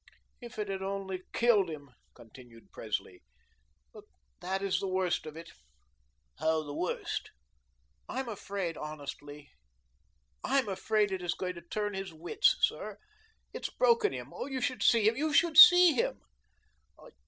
"If it had only killed him," continued Presley; "but that is the worst of it." "How the worst?" "I'm afraid, honestly, I'm afraid it is going to turn his wits, sir. It's broken him; oh, you should see him, you should see him.